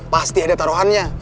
pasti ada taruhannya